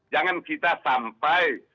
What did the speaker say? jangan kita sampai